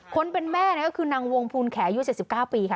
คนเป็นแม่ก็คือนางวงภูลแขอายุ๗๙ปีค่ะ